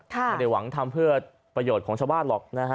ไม่ได้หวังทำเพื่อประโยชน์ของชาวบ้านหรอกนะฮะ